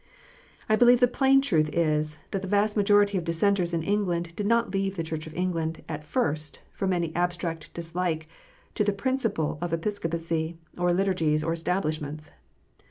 I believe the plain truth is, that the vast majority of Dissenters in England did not leave the Church of England at first from any abstract dislike to the principle of Episcopacy, or Liturgies, or establishments.